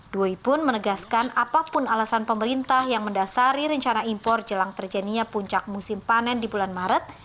dwi pun menegaskan apapun alasan pemerintah yang mendasari rencana impor jelang terjadinya puncak musim panen di bulan maret